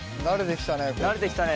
慣れてきたね。